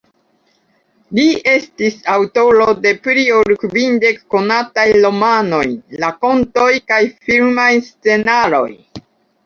Li estis aŭtoro de pli ol kvindek konataj romanoj, rakontoj kaj filmaj scenaroj.